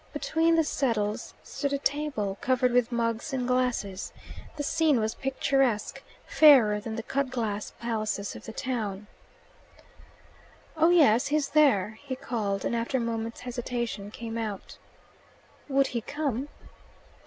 Between the settles stood a table, covered with mugs and glasses. The scene was picturesque fairer than the cutglass palaces of the town. "Oh yes, he's there," he called, and after a moment's hesitation came out. "Would he come?"